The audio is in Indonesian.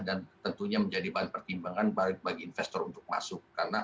dan tentunya menjadi bahan pertimbangan bagi investor untuk masuk